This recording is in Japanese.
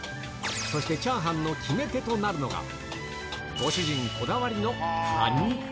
そしてチャーハンの決め手となるのが、ご主人こだわりのカニ。